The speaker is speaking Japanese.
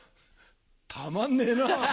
たまんねえな。